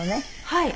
はい。